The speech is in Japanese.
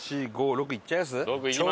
「６」いっちゃいます？